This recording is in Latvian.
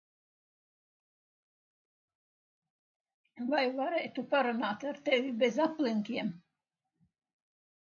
Vai varētu parunāt ar tevi bez aplinkiem?